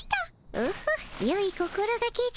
オホッよい心がけじゃ。